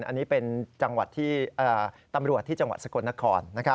อันนี้เป็นตำรวจที่จังหวัดสกลนคร